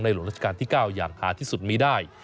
หลวงราชการที่๙อย่างหาที่สุดมีได้